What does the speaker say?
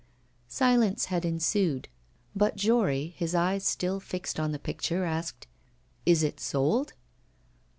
Silence had ensued, but Jory, his eyes still fixed on the picture, asked: 'Is it sold?